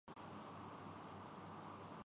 Malayalam